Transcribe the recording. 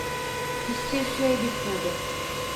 Hiçbir şey bitmedi.